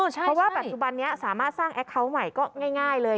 เพราะว่าปัจจุบันนี้สามารถสร้างแอคเคาน์ใหม่ก็ง่ายเลย